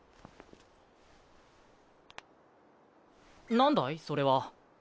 なんだいそれは？